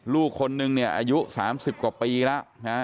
ลูกคนนึงเนี่ยอายุ๓๐กว่าปีแล้ว